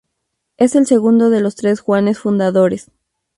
Es el segundo de los tres Juanes fundadores.